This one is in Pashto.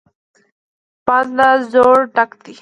باد له زور ډک دی.